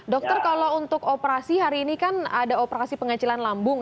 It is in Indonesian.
dokter kalau untuk operasi hari ini kan ada operasi pengecilan lambung